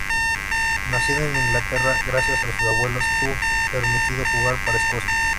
Nacido en Inglaterra, gracias a sus abuelos, tuvo permitido jugar para Escocia.